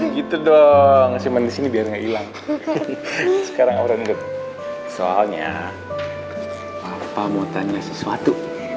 gitu dong cuman disini biar nggak hilang sekarang orang soalnya apa mau tanya sesuatu